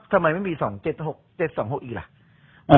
ทำไมไม่มีสองเจ็ดหกเจ็ดสองหกอีกหรออืม